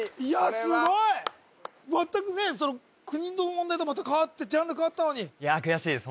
すごいまったくね国の問題と変わってジャンル変わったのにいや悔しいです